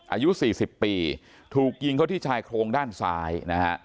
อายุสี่สิบปีถูกยิงเขาที่ชายโครงด้านซ้ายนะฮะ